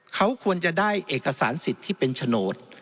เขาควรจะได้เอกสารสิทธิ์ที่เป็นโฉนด